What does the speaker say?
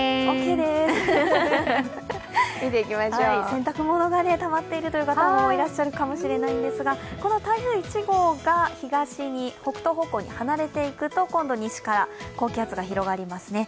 洗濯物がたまっている方もいらっしゃるかもしれないんですがこの台風１号が東に北東方向に離れていくと今度、西から高気圧が広がりますね